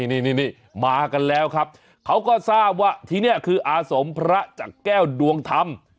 นี่มากันแล้วครับเขาก็ทราบว่าที่นี่คืออาสมพระจากแก้วดวงธรรม